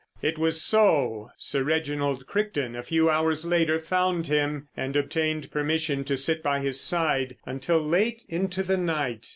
It was so Sir Reginald Crichton a few hours later found him and obtained permission to sit by his side until late into the night.